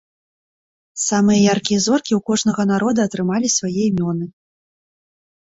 Самыя яркія зоркі ў кожнага народа атрымалі свае імёны.